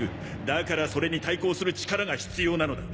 だからそれに対抗する力が必要なのだ。